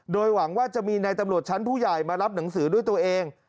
โดยหวังว่าจะมีในตำรวจชั้นผู้ใหญ่มารับหนังสือด้วยตัวเอง